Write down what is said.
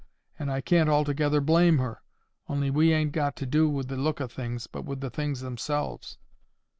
And I can't altogether blame her, only we ain't got to do with the look o' things, but with the things themselves."